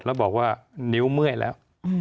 แล้วบอกว่านิ้วเมื่อยแล้ว